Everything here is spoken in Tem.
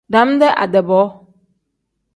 Dam-dee ade-bo.